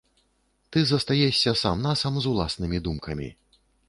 Ты застаешся сам-насам з уласнымі думкамі.